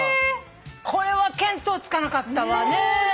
これは見当つかなかったわ。